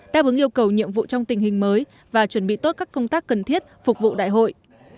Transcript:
đáp ứng yêu cầu nhiệm vụ trong tình hình mới và chuẩn bị tốt các công tác cần thiết phục vụ đại hội